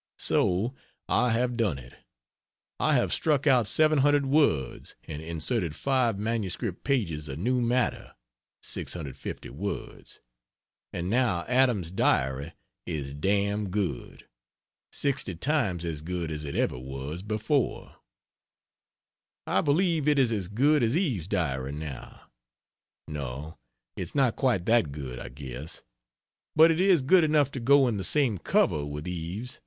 So I have done it. I have struck out 700 words and inserted 5 MS pages of new matter (650 words), and now Adam's Diary is dam good sixty times as good as it ever was before. I believe it is as good as Eve's Diary now no, it's not quite that good, I guess, but it is good enough to go in the same cover with Eve's.